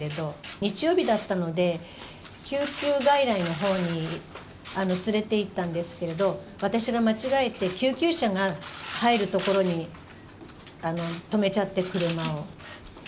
日曜日だったので、救急外来のほうに連れていったんですけれど、私が間違えて、救急車が入る所に止めちゃって、車を。